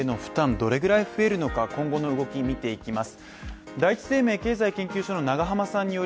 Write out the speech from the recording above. どれぐらい増えるのか今後の動き見ていきます